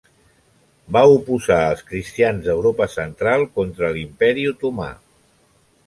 Va oposar els cristians d'Europa central contra l'Imperi otomà.